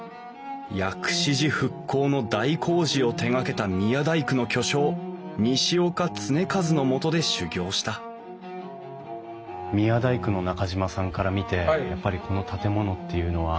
薬師寺復興の大工事を手がけた宮大工の巨匠西岡常一のもとで修業した宮大工の中島さんから見てやっぱりこの建物っていうのは。